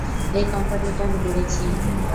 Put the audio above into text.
এই কোম্পানিটা আমি গড়েছি।